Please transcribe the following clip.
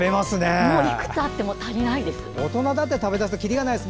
もういくつあっても足りないです。